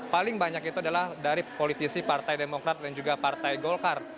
paling banyak itu adalah dari politisi partai demokrat dan juga partai golkar